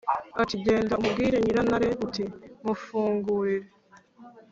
ati: genda umbwirire nyirantare uti: mufungurire,